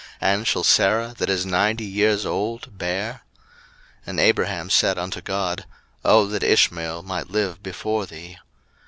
and shall Sarah, that is ninety years old, bear? 01:017:018 And Abraham said unto God, O that Ishmael might live before thee!